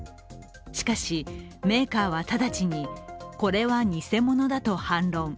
しかし、メーカーは直ちにこれは偽物だと反論。